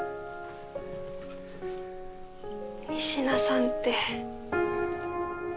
仁科さんって。